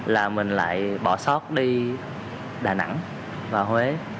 là mình lại bỏ sót đi đà nẵng và huế